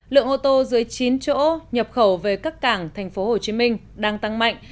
lượng ô tô dưới chín chỗ nhập khẩu về các cảng tp hcm đang tăng mạnh